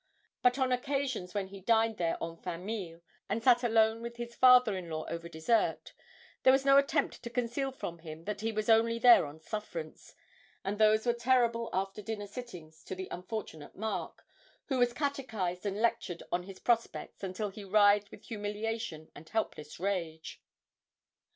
But on occasions when he dined there en famille, and sat alone with his father in law over dessert, there was no attempt to conceal from him that he was only there on sufferance, and those were terrible after dinner sittings to the unfortunate Mark, who was catechised and lectured on his prospects until he writhed with humiliation and helpless rage.